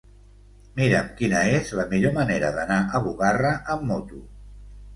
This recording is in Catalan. Mira'm quina és la millor manera d'anar a Bugarra amb moto.